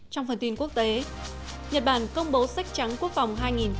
trong phần tin quốc tế nhật bản công bố sách trắng quốc phòng hai nghìn một mươi chín